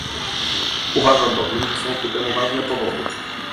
Uważam bowiem, że są ku temu ważne powody